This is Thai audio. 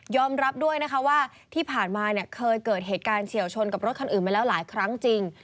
รับด้วยนะคะว่าที่ผ่านมาเนี่ยเคยเกิดเหตุการณ์เฉียวชนกับรถคันอื่นมาแล้วหลายครั้งจริง